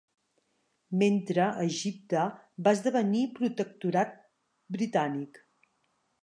Mentre Egipte va esdevenir protectorat britànic.